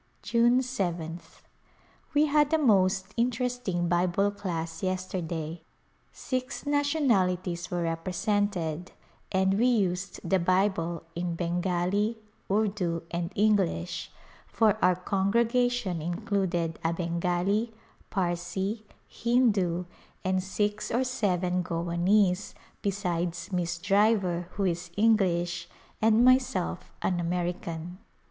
yune yth. We had a most interesting Bible class yesterday. Six nationalities were represented and we used the Bible in Bengali, Urdu and English, for our congrega tion included a Bengali, Parsee, Hindu and six or A Pilgrimage seven Goanese, besides Miss Driver, who is English, and myself an American.